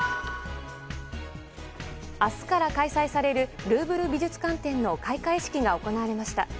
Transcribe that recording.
明日から開催されるルーヴル美術館展の開会式が行われました。